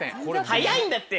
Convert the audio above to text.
早いんだって！